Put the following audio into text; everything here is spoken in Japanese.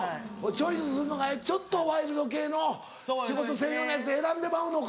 チョイスするのがちょっとワイルド系の仕事せんようなヤツ選んでまうのか。